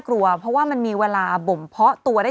คุณผู้ชมขายังจริงท่านออกมาบอกว่า